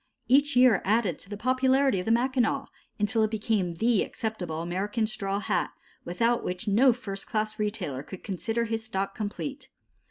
Each year added to the popularity of the Mackinaw, until it became the acceptable American straw hat, without which no first class retailer could consider his stock complete.